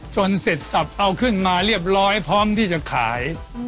เสร็จสับเอาขึ้นมาเรียบร้อยพร้อมที่จะขาย